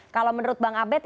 kalau menurut bang abed